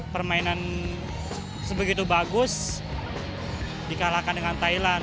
permainan sebegitu bagus dikalahkan dengan thailand